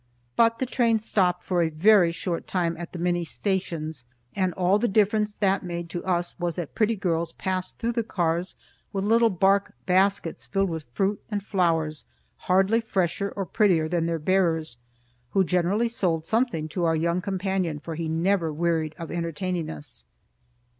But the train stopped for a very short time at the many stations, and all the difference that made to us was that pretty girls passed through the cars with little bark baskets filled with fruit and flowers hardly fresher or prettier than their bearers, who generally sold something to our young companion, for he never wearied of entertaining us.